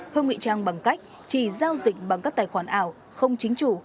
hương nghị trang bằng cách chỉ giao dịch bằng các tài khoản ảo không chính chủ